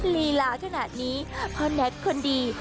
ลีลาขนาดนี้พ่อแน็กคนดี